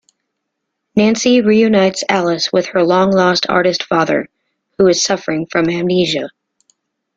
Nancy reunites Alice with her long-lost artist father, who is suffering from amnesia.